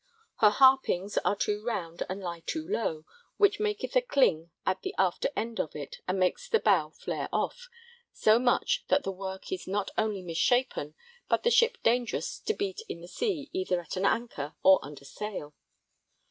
Her harpings are too round and lie too low, which maketh a cling at the after end of it, and makes the bow flare off so much that the work is not only misshapen but the ship dangerous to beat in the sea either at an anchor or under sail.